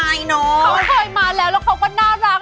เขาเคยมาแล้วแล้วเขาก็น่ารัก